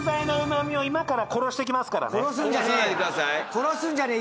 殺さないでください。